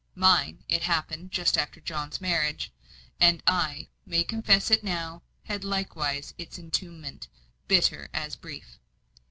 Mine it happened just after John's marriage, and I may confess it now had likewise its entombment, bitter as brief.